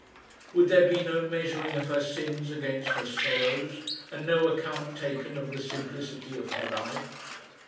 Would there be no measuring of her sins against her sorrows, and no account taken of the simplicity of her life?